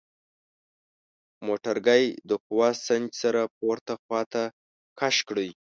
موټرګی د قوه سنج سره پورته خواته کش کړئ.